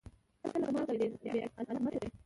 ته لکه مالکه بااعظمته وې